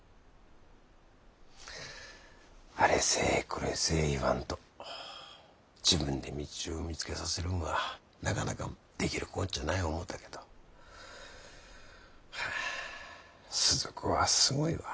あれせえこれせえ言わんと自分で道を見つけさせるんはなかなかできるこっちゃない思うたけどはあ鈴子はすごいわ。